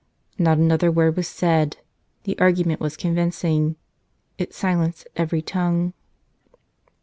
Not another word was said. The argument was convincing. It silenced every tongue.